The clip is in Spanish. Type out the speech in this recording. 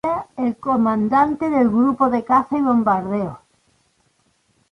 Era el comandante del Grupo de Caza y Bombarderos.